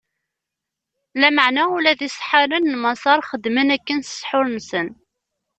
Lameɛna ula d iseḥḥaren n Maṣer xedmen akken s ssḥur-nsen.